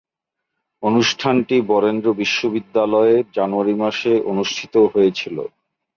অনুষ্ঠানটি বরেন্দ্র বিশ্ববিদ্যালয়ে জানুয়ারি মাসে অনুষ্ঠিত হয়েছিলো।